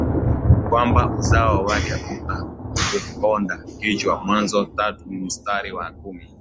kwamba uzao wake utakuponda kichwa Mwanzo tatu mstari wa kumi